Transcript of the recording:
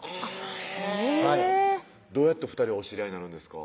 えぇへぇどうやって２人はお知り合いになるんですか？